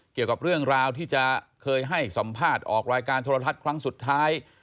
เกี่ยวกับเรื่องราวที่จะเคยให้สัมภาษณ์ออกรายการโทรทัศน์ครั้งสุดท้าย